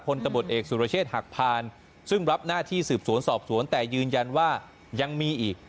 ตะบดเอกสุรเชษฐ์หักพานซึ่งรับหน้าที่สืบสวนสอบสวนแต่ยืนยันว่ายังมีอีก